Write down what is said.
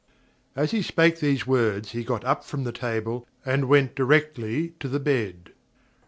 As he spake these words, he got up from the table, and went directly to the bed.